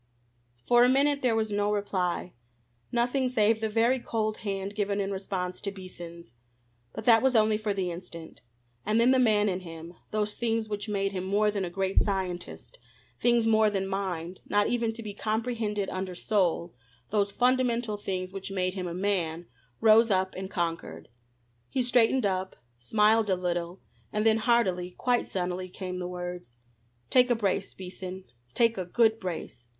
For a minute there was no reply, nothing save the very cold hand given in response to Beason's. But that was only for the instant. And then the man in him, those things which made him more than a great scientist, things more than mind, not even to be comprehended under soul, those fundamental things which made him a man, rose up and conquered. He straightened up, smiled a little, and then heartily, quite sunnily, came the words: "Take a brace, Beason take a good brace.